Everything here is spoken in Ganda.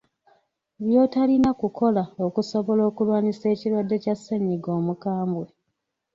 By’otalina kukola okusobola okulwanyisa ekirwadde kya ssennyiga omukambwe.